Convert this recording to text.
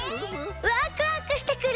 ワクワクしてくる！